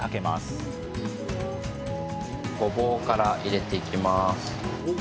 ごぼうから入れていきます。